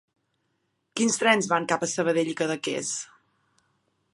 Quins trens van de Sabadell a Cadaqués?